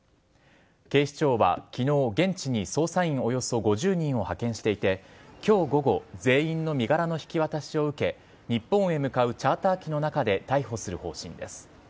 警視庁はきのう、現地に捜査員およそ５０人を派遣していて、きょう午後、全員の身柄の引き渡しを受け、日本へ向かうチャーター機の中で逮捕する方針です。